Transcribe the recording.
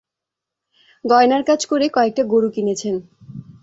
গয়নার কাজ করে কয়েকটা গরু কিনেছেন।